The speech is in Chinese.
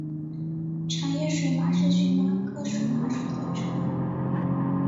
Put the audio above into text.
长叶水麻是荨麻科水麻属的植物。